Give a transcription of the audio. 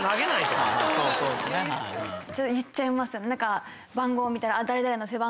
言っちゃいますね。